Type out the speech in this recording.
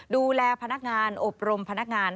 ดูแลพนักงานอบรมพนักงาน